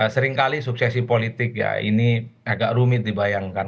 seringkali suksesi politik ya ini agak rumit dibayangkan